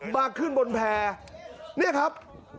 มาขึ้นบนแพร่เนี่ยครับ